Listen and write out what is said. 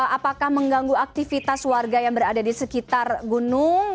apakah mengganggu aktivitas warga yang berada di sekitar gunung